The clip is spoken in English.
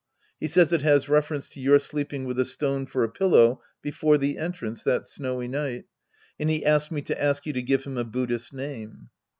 He says it has reference to your sleeping with a stone for a pillow before the entrance that snowy night. And he asked me to ask you to give him a Buddhist name.